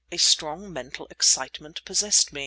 A strong mental excitement possessed me.